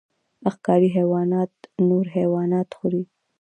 ښکاري حیوانات نور حیوانات خوري